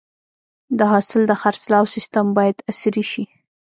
د حاصل د خرڅلاو سیستم باید عصري شي.